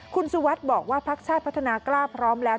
คุณสุวัสดิ์บอกว่าพักชาติพัฒนากล้าพร้อมแล้ว